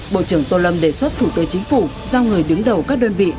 bộ trưởng tô lâm đề xuất thủ tư chính phủ giao người đứng đầu các đơn vị